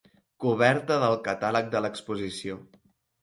Coberta del catàleg de l'exposició.